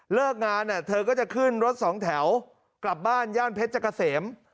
เลิกงานเธอก็จะขึ้นรถสองแถวกลับบ้านย่านเพชรเกษม